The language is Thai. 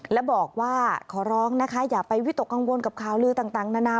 และบอกว่าขอร้องนะคะอย่าไปวิตกกังวลกับข่าวลือต่างนานา